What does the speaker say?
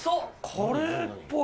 カレーっぽい。